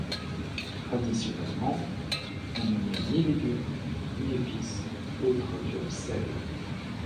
Traditionnellement, on ne met ni légumes ni épices autres que le sel.